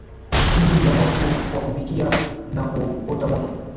i ya moto kwa kupikia na kuota moto